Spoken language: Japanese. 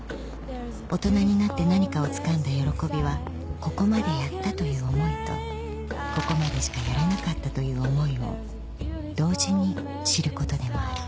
［大人になって何かをつかんだ喜びはここまでやったという思いとここまでしかやれなかったという思いを同時に知ることでもある］